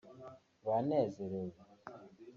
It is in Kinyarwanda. banezerewe